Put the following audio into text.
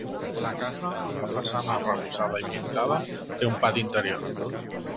La casa, amb la façana arrebossada i pintada, té un pati interior.